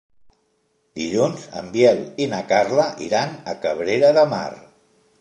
Dilluns en Biel i na Carla iran a Cabrera de Mar.